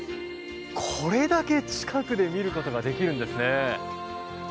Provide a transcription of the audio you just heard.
これだけ近くで見ることができるんですね。